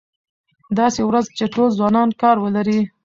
داسې ورځ چې ټول ځوانان کار ولري.